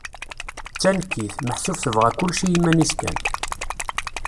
D tanekkit, meḥsub tebɣa kullec i iman-is kan.